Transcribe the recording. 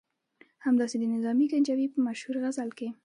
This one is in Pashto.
همداسې د نظامي ګنجوي په مشهور غزل کې.